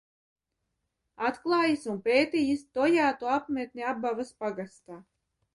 Atklājis un pētījis Tojātu apmetni Abavas pagastā.